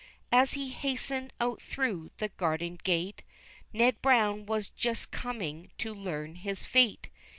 As he hastened out through the garden gate, Ned Brown was just coming to learn his fate.